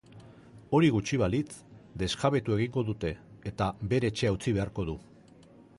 Hori gutxi balitz, desjabetu egingo dute eta bere etxea utzi beharko du.